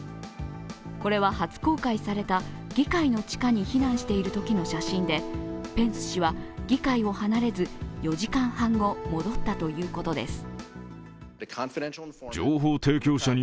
これは初公開された議会の地下に避難しているときの写真でペンス氏は議会を離れず、４時間半後戻ったということです。